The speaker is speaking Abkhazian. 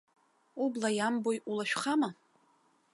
Убла иамбои, улашәхама?!